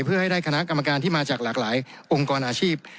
เพื่อให้ได้คณะกรรมการที่มาจากหลากหลายองค์กรอาชีพ